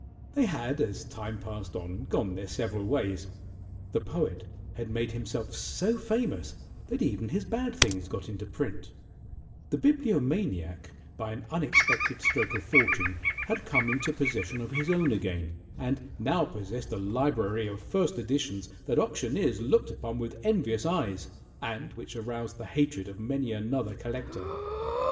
They had, as time passed on, gone their several ways. The Poet had made himself so famous that even his bad things got into print; the Bibliomaniac, by an unexpected stroke of fortune, had come into possession of his own again, and now possessed a library of first editions that auctioneers looked upon with envious eyes, and which aroused the hatred of many another collector.